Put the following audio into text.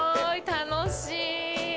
楽しい。